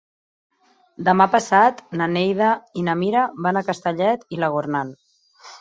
Demà passat na Neida i na Mira van a Castellet i la Gornal.